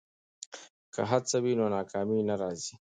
که هڅه وي نو ناکامي نه راځي.